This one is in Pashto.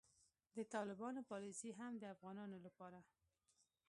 د طالبانو پالیسي هم د افغانانو لپاره